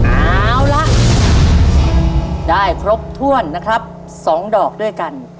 เอาละได้ครบถ้วนนะครับ๒ดอกด้วยกัน